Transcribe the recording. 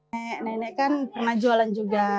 nenek nenek kan pernah jualan juga